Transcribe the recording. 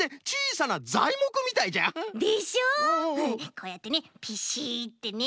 こうやってねピシッてね。